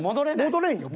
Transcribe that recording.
戻れんよ